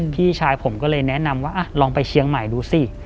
พี่ชายผมก็เลยแนะนำว่าลองไปเชียงใหม่ดูสิ